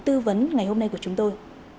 tư vấn ngày hôm nay của chúng tôi